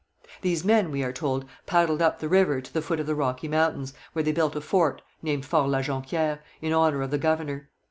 These men, we are told, paddled up the river to the foot of the Rocky Mountains, where they built a fort, named Fort La Jonquière, in honour of the governor.